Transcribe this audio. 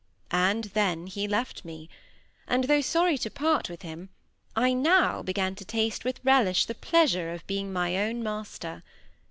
And then he left me; and though sorry to part with him, I now began to taste with relish the pleasure of being my own master.